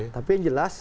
tapi yang jelas